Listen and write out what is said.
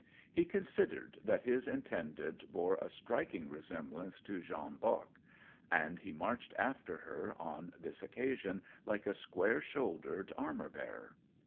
He considered that his in tended bore a striking resemblance to Jeanne d'Arc, and he marched after her on this occasion like a square shouldered armour bearer.